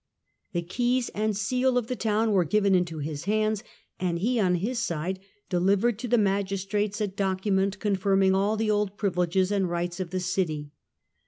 The keys BXemia,"^ and seal of the town were given into his hands and he ^^^^ on his side delivered to the magistrates a document con firming all the old privileges and rights of the city.